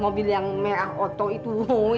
minum spesial juga ini